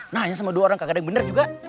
nanya sama dua orang kagak ada yang bener juga